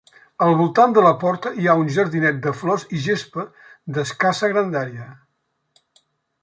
Al voltant de la Porta hi ha un jardinet de flors i gespa d'escassa grandària.